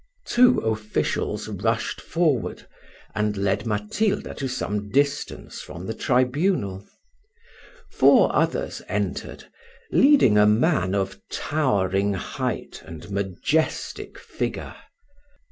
Two officials rushed forward, and led Matilda to some distance from the tribunal; four others entered, leading a man of towering height and majestic figure.